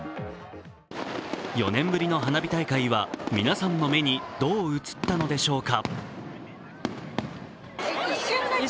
４年ぶりの花火大会は、皆さんの目にどう映ったのでしょうか。